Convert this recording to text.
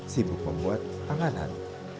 sibuk membuat panganan